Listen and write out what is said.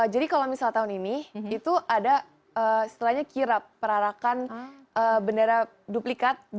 jadi kalau misalnya tahun ini itu ada setelahnya kirap perarakan bendara duplikat